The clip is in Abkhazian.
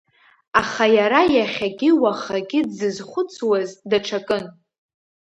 Аха иара иахьагьы уахагьы дзызхәыцуаз даҽакын.